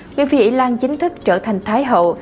nguyên vị ỉ lan chính thức trở thành thái hậu